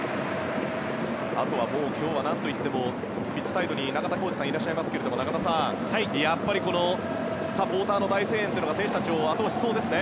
あとは今日は何といってもピッチサイドに中田浩二さんがいますが中田さん、やっぱりサポーターの大声援が選手たちを後押ししそうですね。